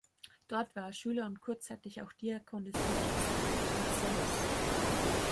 Dort war er Schüler und kurzzeitig auch Diakon des Bischofs Marcellus.